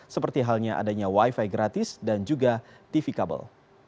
seperti halnya adanya wifi gratis dan juga tv kabel